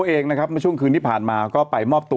เองนะครับเมื่อช่วงคืนที่ผ่านมาก็ไปมอบตัว